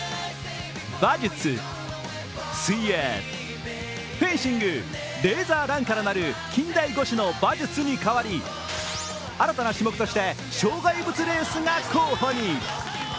馬術、水泳、フェンシングレーザーランからなる近代五種の馬術に代わり、新たな種目として障害物レースが候補に。